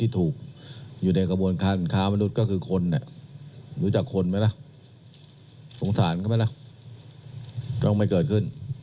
ต้องไม่เกิดขึ้น